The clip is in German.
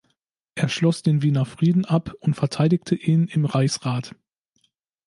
Er schloss den Wiener Frieden ab und verteidigte ihn im Reichsrat.